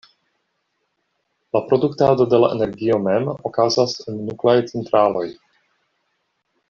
La produktado de la energio mem okazas en nukleaj centraloj.